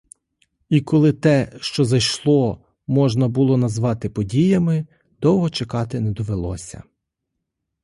І коли те, що зайшло, можна було назвати подіями — довго чекати не довелося.